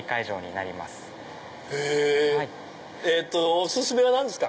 お薦めは何ですか？